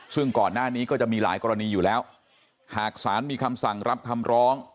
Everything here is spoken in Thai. ซึ่งก่อนหน้านี้ก็จะมีหลายกรณีอยู่แล้วหากสารมีคำสั่งรับคำร้อง